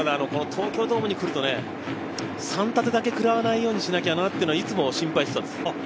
東京ドームに来ると３タテだけくらわないようにというのをいつも心配してたんです。